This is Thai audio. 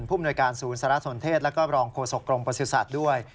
มนวยการศูนย์สารสนเทศแล้วก็รองโฆษกรมประสุทธิ์ด้วย